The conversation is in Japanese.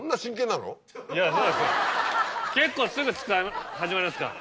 結構すぐ始まりますから。